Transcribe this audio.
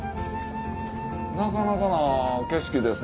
なかなかな景色ですね。